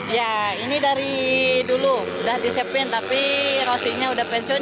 ya ini dari dulu udah disiapin tapi rosinya udah pensiun